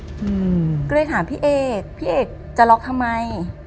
อืมก็เลยถามพี่เอกพี่เอกจะล็อกทำไม